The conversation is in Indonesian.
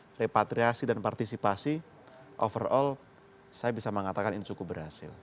repatriasi dan partisipasi overall saya bisa mengatakan ini cukup berhasil